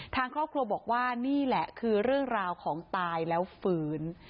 ทางครอบครัวบอกว่านี่แหละคือเรื่องราวของตายแล้วฝืน